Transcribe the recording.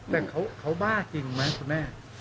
แต่เขาบ้าจริงไหมคุณแม่